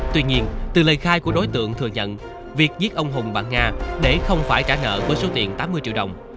tuy nhiên từ lời khai của đối tượng thừa nhận việc giết ông hùng và nga để không phải trả nợ với số tiền tám mươi triệu đồng